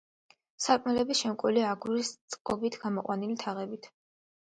სარკმლები შემკულია აგურის წყობით გამოყვანილი თაღებით.